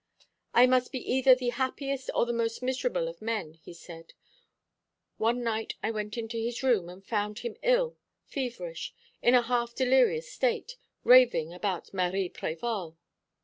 'I must be either the happiest or the most miserable of men,' he said. One night I went into his room and found him ill, feverish, in a half delirious state, raving about Marie Prévol.